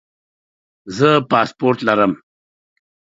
زه پاسپورټ لرم